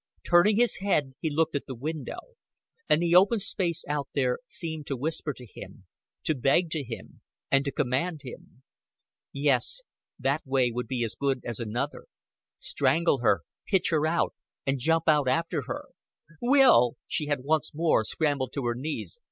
Turning his head, he looked at the window; and the open space out there seemed to whisper to him, to beg to him, and to command him. Yes, that way would be as good as another strangle her, pitch her out, and jump out after her. "Will!" She had once more scrambled to her knees.